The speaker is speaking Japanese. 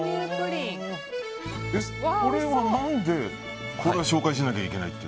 これは何でこれを紹介しなきゃいけないと？